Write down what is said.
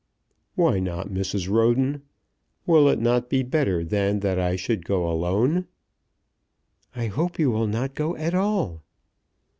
"Why not, Mrs. Roden? Will it not be better than that I should go alone?" "I hope you will not go at all."